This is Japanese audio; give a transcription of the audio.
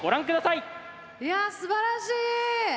いやぁすばらしい！